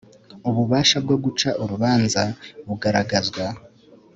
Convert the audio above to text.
Ububasha bwo guca urubanza bugaragazwa